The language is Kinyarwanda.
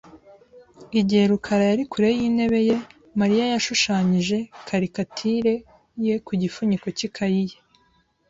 Igihe rukara yari kure yintebe ye, Mariya yashushanyije karikatire ye ku gifuniko cy'ikaye ye .